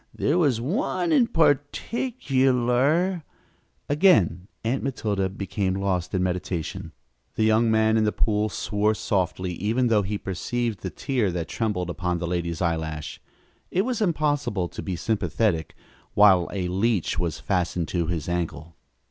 There was one in particular " Again Aunt Matilda became lost in meditation. The young man in the pool swore softly, even though he perceived the tear that trembled upon the lady's eyelash. It was impossible to be sympathetic while a leech was fastened to his ankle.